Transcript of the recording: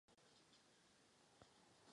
Účastní se řady projektů a veřejných debat.